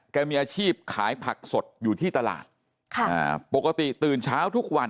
มีอาชีพขายผักสดอยู่ที่ตลาดค่ะอ่าปกติตื่นเช้าทุกวัน